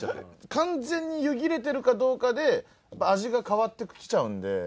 完全に湯切れてるかどうかでやっぱ味が変わってきちゃうんで。